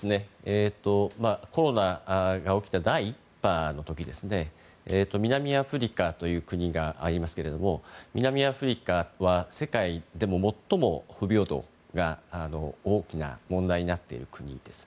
コロナが起きた第１波の時南アフリカという国がありますけれども南アフリカは世界で最も不平等が大きな問題になっている国です。